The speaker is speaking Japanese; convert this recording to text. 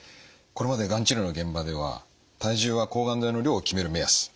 これまでがん治療の現場では体重が抗がん剤の量を決める目安。